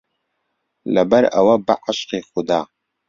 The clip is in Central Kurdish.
لەبەرئەوە بەعشقی خودا